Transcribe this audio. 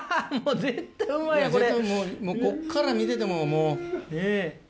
絶対もうもうこっから見ててももう。